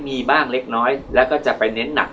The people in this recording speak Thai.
มีบ้างเล็กน้อยแล้วก็จะไปเน้นหนัก